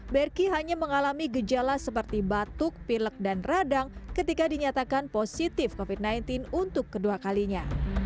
berki hanya mengalami gejala seperti batuk pilek dan radang ketika dinyatakan positif covid sembilan belas untuk kedua kalinya